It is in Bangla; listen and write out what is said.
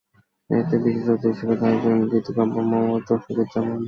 এতে বিশেষ অতিথি হিসেবে থাকবেন গীতিকবি মোহাম্মদ রফিকুজ্জামান, চিত্রশিল্পী আব্দুস শাকুর শাহ।